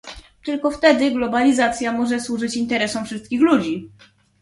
Tylko wtedy globalizacja może służyć interesom wszystkich ludzi